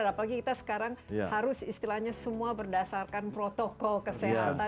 apalagi kita sekarang harus istilahnya semua berdasarkan protokol kesehatan